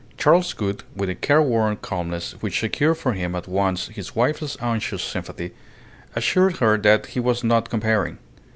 Charles Gould, with a careworn calmness which secured for him at once his wife's anxious sympathy, assured her that he was not comparing.